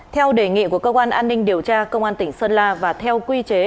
theo đề nghị của cơ quan an ninh điều tra công an tỉnh sơn la và theo quy chế